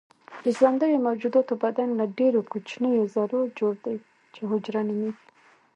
د ژوندیو موجوداتو بدن له ډیرو کوچنیو ذرو جوړ دی چې حجره نومیږي